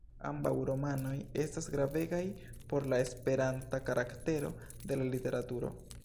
Ambaŭ romanoj estas gravegaj por la esperanta karaktero de la literaturo.